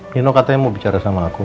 nino katanya mau bicara sama aku